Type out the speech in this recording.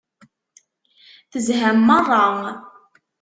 Tezham meṛṛa.